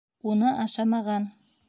Уны ашамаған.